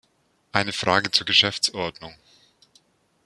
Eine Frage zur Geschäftsordnung.